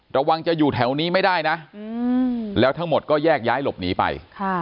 ระวังจะอยู่แถวนี้ไม่ได้นะแล้วทั้งหมดก็แยกย้ายหลบหนีไป